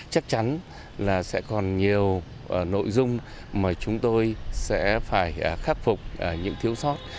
chắc chắn là sẽ còn nhiều nội dung mà chúng tôi sẽ phải khắc phục những thiếu sót